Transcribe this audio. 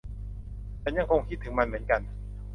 ฉันยังคงคิดถึงมันเหมือนกัน